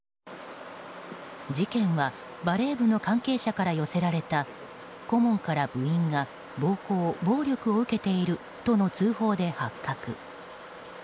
事件はバレー部の関係者から寄せられた顧問から部員が暴行・暴力を受けているとの通報で発覚。